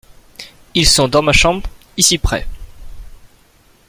Ils sont dans ma chambre ici près.